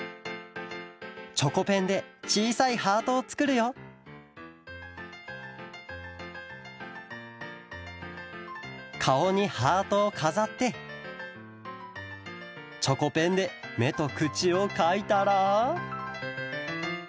チョコペンでちいさいハートをつくるよかおにハートをかざってチョコペンでめとくちをかいたら？